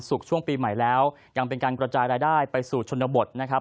ช่วงปีใหม่แล้วยังเป็นการกระจายรายได้ไปสู่ชนบทนะครับ